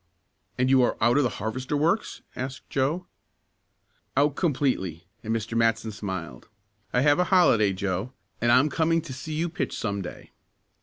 "And you are out of the harvester works?" asked Joe. "Out completely," and Mr. Matson smiled. "I have a holiday, Joe, and I'm coming to see you pitch some day."